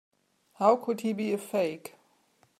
How could he be a fake?